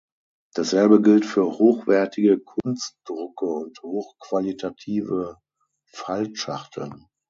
Dasselbe gilt für hochwertige Kunstdrucke und hochqualitative Faltschachteln.